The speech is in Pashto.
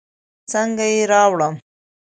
څنګه يې راوړم.